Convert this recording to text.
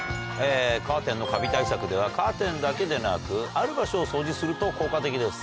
カーテンのカビ対策ではカーテンだけでなくある場所を掃除すると効果的です。